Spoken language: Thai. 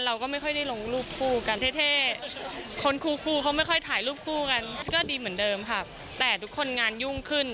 จากฉันอยากเท่านั้นไอเนี่ย